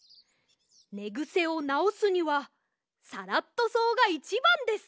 ねぐせをなおすにはサラットそうがいちばんです。